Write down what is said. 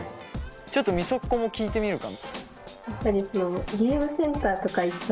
ちょっとみそっこも聞いてみるか。